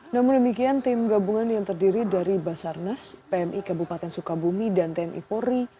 namun demikian tim gabungan yang terdiri dari basarnas pmi kabupaten sukabumi dan tni polri